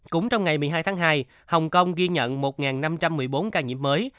cũng trong ngày một mươi hai tháng hai hồng kông ghi nhận một năm trăm một mươi bốn ca nhiễm mới